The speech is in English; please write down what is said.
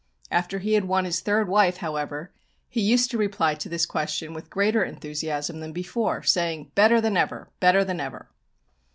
After he had won his third wife, however, he used to reply to this question with greater enthusiasm than before, saying, "Better than ever; better than ever."